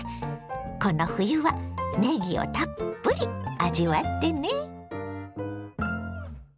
この冬はねぎをたっぷり味わってね！